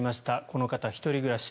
この方、１人暮らし。